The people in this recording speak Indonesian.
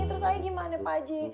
terus saya gimana pak haji